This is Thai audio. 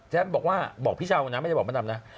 แจ๊บบอกว่าบอกพี่เช้านะไม่ได้บอกประดับนะ